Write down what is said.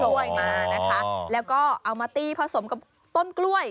เฉพาะกล้วยที่โผล่มานะคะแล้วก็เอามาตีผสมกับต้นกล้วย